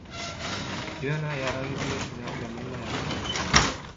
Ýöne ýarag niýetine ulanylmaýar.